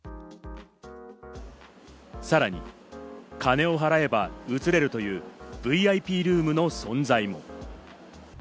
さらに、金を払えば移れるというＶＩＰルームの存在。